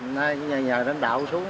nhưng nhờ đánh đạo xuống